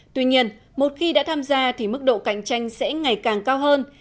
tuy nhiên một khi đã tham gia thì mức độ cạnh tranh sẽ ngày càng cao hơn